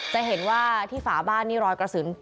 จะเห็นว่าที่ฝาบ้านนี่รอยกระสุน